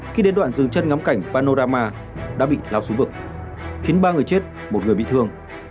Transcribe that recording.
khi đến đoạn dường chân ngắm cảnh panorama đã bị lao xuống vực khiến ba người chết một người bị thương